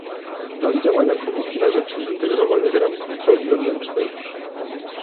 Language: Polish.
Plan działania Komisji na rzecz zintegrowanych ram kontroli wewnętrznej